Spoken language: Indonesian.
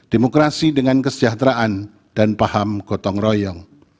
demokrasi dengan kesejahteraan dan paham gotong royong